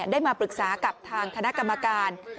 ได้มาปรึกษากับทางคณะกรรมการ